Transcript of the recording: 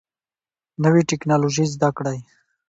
نوي ټکنالوژي زده کړئ